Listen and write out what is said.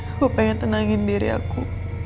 aku pengen tenangin diri aku